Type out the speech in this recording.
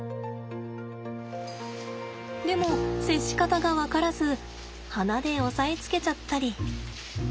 でも接し方が分からず鼻で押さえつけちゃったり。